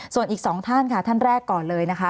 ส่วนอีก๒ท่านค่ะท่านแรกก่อนเลยนะคะ